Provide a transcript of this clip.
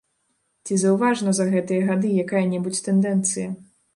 Ці заўважна за гэтыя гады якая-небудзь тэндэнцыя?